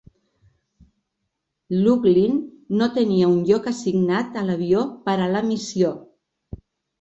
Laughlin no tenia un lloc assignat a l"avió per a la missió.